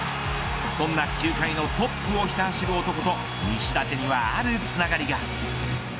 そんな球界のトップをひた走る男と西舘にはあるつながりが。